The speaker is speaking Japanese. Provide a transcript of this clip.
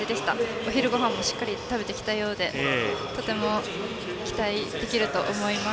お昼ごはんもしっかり食べてきたようでとても期待できると思います。